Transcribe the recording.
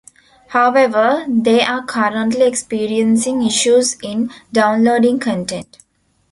However, they are currently experiencing issues in downloading content.